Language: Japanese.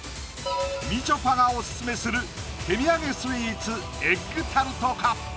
みちょぱがオススメする手土産スイーツエッグタルトか？